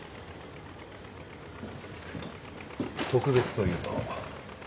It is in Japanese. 特別というと？